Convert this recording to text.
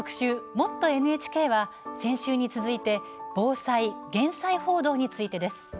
「もっとＮＨＫ」は先週に続いて防災・減災報道についてです。